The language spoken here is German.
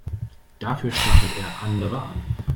Dafür stachelt er andere an.